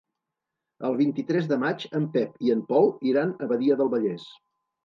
El vint-i-tres de maig en Pep i en Pol iran a Badia del Vallès.